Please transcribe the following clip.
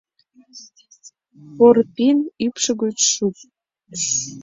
— Порпин, ӱпшӧ гыч шупш!..